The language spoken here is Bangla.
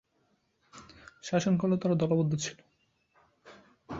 বিভিন্ন সময়ে বিভিন্ন মুসলমান উপজাতীয় প্রধানরা এ অঞ্চল শাসন করে আসছিল।